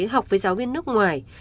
học với giáo viên nước ngoài